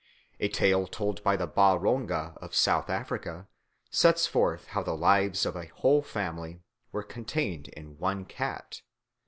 A tale told by the Ba Ronga of South Africa sets forth how the lives of a whole family were contained in one cat.